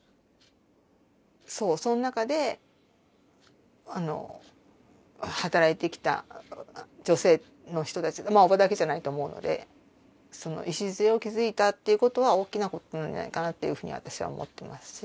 その中で働いてきた女性の人たちが伯母だけじゃないと思うのでその礎を築いたということは大きなことなんじゃないかなというふうに私は思っていますし。